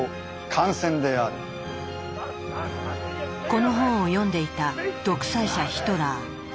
この本を読んでいた独裁者ヒトラー。